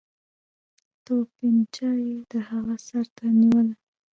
توپنچه یې د هغه سر ته ونیوله.